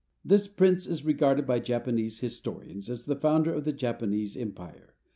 This prince is regarded by Japanese historians as the founder of the Japanese Empire.